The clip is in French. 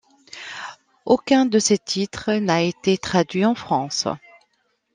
Aucun de ces titres n'a été traduit en France.